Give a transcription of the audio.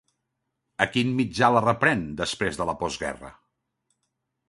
A quin mitjà la reprèn, després de la postguerra?